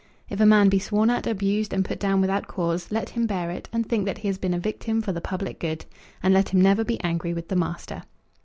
If a man be sworn at, abused, and put down without cause, let him bear it and think that he has been a victim for the public good. And let him never be angry with the master.